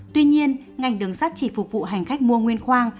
tuy nhiên ngành đường sắt chỉ phục vụ hành khách mua nguyên khoang